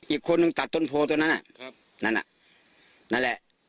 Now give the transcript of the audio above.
อีกคนนึงตัดต้นโพตัวนั้นนั่นอ่ะนั่นแหละ